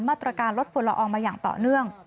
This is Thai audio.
มาตรการลดฝุ่นละอองมาอย่างต่อเนื่อง